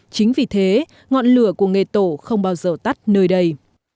chính vì thế ngọn lửa của nghề tổ không bao giờ tắt nơi đây